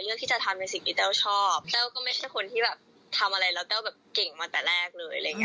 เลือกที่จะทำเป็นสิ่งที่เต้าชอบเต้าก็ไม่ใช่คนที่แบบทำอะไรแล้วเต้าแบบเก่งมาแต่แรกเลย